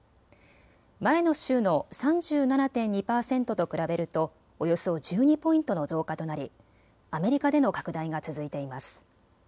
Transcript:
前の週の３７．２％と比べるとおよそ１２ポイントの増加となりアメリカでの拡大が続いています。